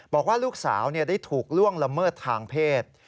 บอกว่าลูกสาวได้ถูกล่วงละเมิดทางเพศ